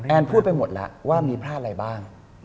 พูดไปหมดแล้วว่ามีพลาดอะไรบ้าง